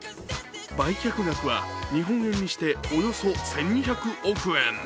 売却額は日本円にしておよそ１２００億円。